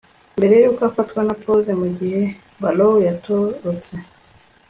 mbere yuko afatwa na posse mugihe barrow yatorotse